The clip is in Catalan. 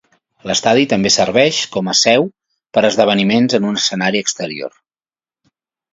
L'estadi també serveix com a seu per a esdeveniments en un escenari exterior.